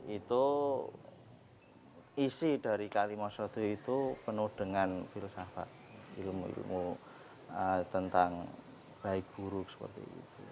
itu isi dari kalimah sada itu penuh dengan filsafat ilmu ilmu tentang baik guru seperti itu